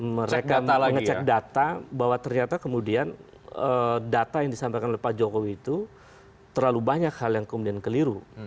mereka mengecek data bahwa ternyata kemudian data yang disampaikan oleh pak jokowi itu terlalu banyak hal yang kemudian keliru